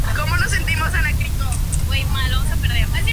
Fue asesinado durante un asalto a su casa.